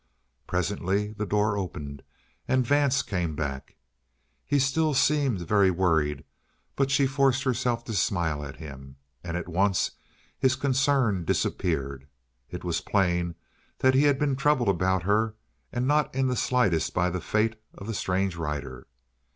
Presently the door opened and Vance came back. He still seemed very worried, but she forced herself to smile at him, and at once his concern disappeared; it was plain that he had been troubled about her and not in the slightest by the fate of the strange rider.